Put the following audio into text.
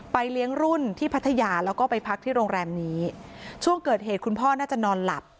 เลี้ยงรุ่นที่พัทยาแล้วก็ไปพักที่โรงแรมนี้ช่วงเกิดเหตุคุณพ่อน่าจะนอนหลับ